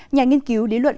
nhà nghiên cứu lý luận